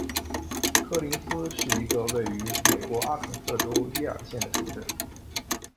科林斯是一个位于美国阿肯色州耶尔县的城镇。